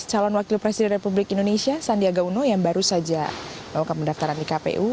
calon wakil presiden republik indonesia sandiaga uno yang baru saja melakukan pendaftaran di kpu